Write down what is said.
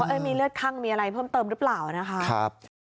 ว่ามีเลือดคั่งมีอะไรเพิ่มเติมรึเปล่า